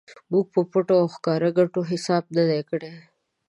موږ په پټو او ښکاره ګټو حساب نه دی کړی.